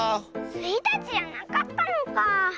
スイたちじゃなかったのか。